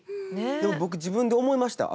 でも僕自分で思いました。